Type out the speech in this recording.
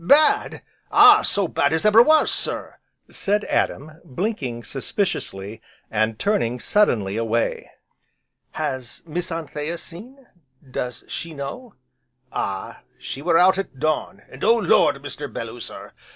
"Bad! ah, so bad as ever was, sir!" said Adam, blinking suspiciously, and turning suddenly away. "Has Miss Anthea seen, does she know?" "Ah! she were out at dawn, and Oh Lord, Mr. Belloo sir!